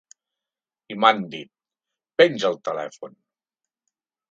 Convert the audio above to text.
I m’han dit: ‘Penja el telèfon’.